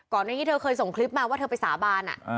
ในนี้เธอเคยส่งคลิปมาว่าเธอไปสาบาน